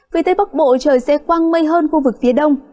về tây bắc bộ trời sẽ quăng mây hơn khu vực phía đông